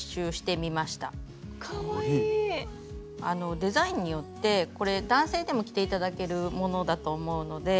デザインによってこれ男性でも着て頂けるものだと思うので。